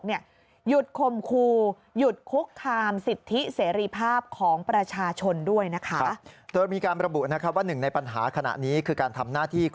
หยุดคมครูหยุดคุกคามสิทธิเสรีภาพของประชาชนด้วยนะคะ